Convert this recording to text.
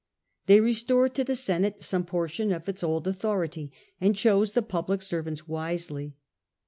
They restored to the Senate 1^ some portion of its old authority and chose the public servants wisely.